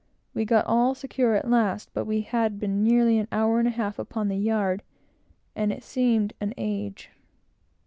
We got all secure at last, but we had been nearly an hour and a half upon the yard, and it seemed an age.